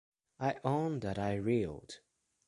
I own that I reeled.